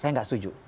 saya nggak setuju